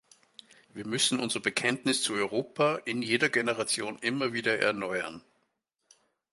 Wir müssen unser Bekenntnis zu Europa in jeder Generation immer wieder erneuern.